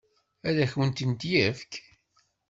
Ad akent-tent-yefk?